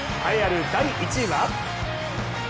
栄えある第１位は？